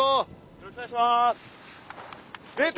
よろしくお願いします。